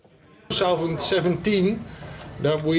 sekitar tujuh lima juta ton sawit